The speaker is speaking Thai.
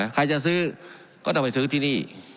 ใครจะซื้อก็ต้องไปซื้อที่นี่